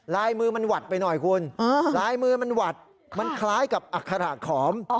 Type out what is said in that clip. ลายมือมันหวัดไปหน่อยคุณลายมือมันหวัดมันคล้ายกับอัคระขอม